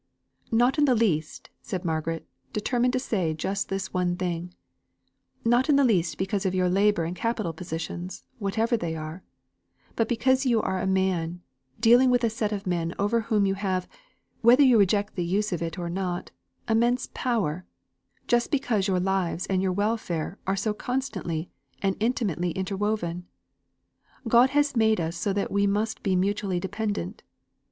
"Not in the least," said Margaret, determined to say just this one thing; "not in the least because of your labour and capital positions, whatever they are, but because you are a man, dealing with a set of men over whom you have, whether you reject the use of it or not, immense power, just because your lives and your welfare are so constantly and intimately interwoven. God has made us so that we must be mutually dependent.